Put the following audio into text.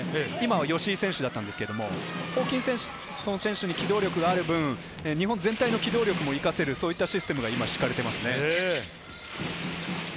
今、吉井選手でしたけど、ホーキンソン選手に機動力がある分、日本全体の機動力も生かせるシステムがしかれていますね。